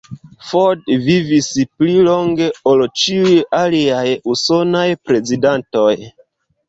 Ford vivis pli longe ol ĉiuj aliaj usonaj prezidantoj.